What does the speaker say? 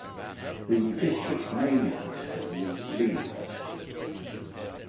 The district's main high school is Lee High School.